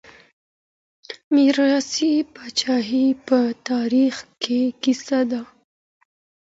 ميراثي پاچاهي په تاريخ کي کيسه ده.